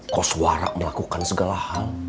kau suara melakukan segala hal